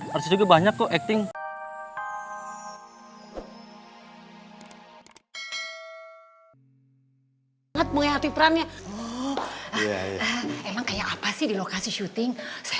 artis juga banyak kok acting